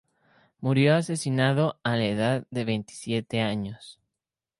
Murió asesinado a la edad de veintisiete años.